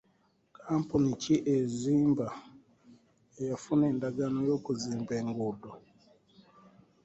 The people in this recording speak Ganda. Kampuni ki ezimba eyafuna endagaano y'okuzimba enguudo?